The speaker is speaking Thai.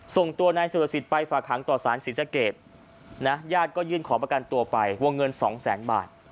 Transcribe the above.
ส่งตัวนายสุรสิทธิ์ไปฝากหางต่อสารศรีสะเกดนะญาติก็ยื่นขอประกันตัวไปวงเงินสองแสนบาท